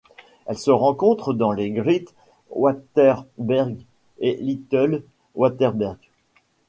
Elle se rencontre dans les Great Waterberg et Little Waterberg.